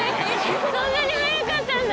そんなに速かったんだ！